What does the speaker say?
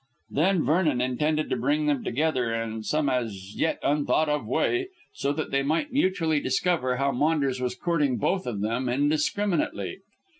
Then Vernon intended to bring them together in some as yet unthought of way, so that they might mutually discover how Maunders was courting both of them indiscriminately.